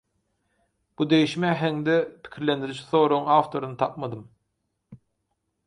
Bu degişme äheňde pikirlendiriji soragyň awtoryny tapmadym.